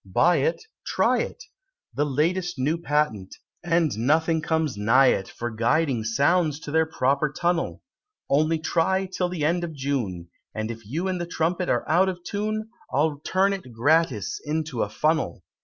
Buy it try it! The last New Patent, and nothing comes nigh it, For guiding sounds to their proper tunnel: Only try till the end of June, And if you and the Trumpet are out of tune I'll turn it gratis into a funnel!"